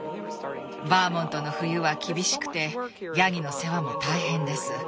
バーモントの冬は厳しくてヤギの世話も大変です。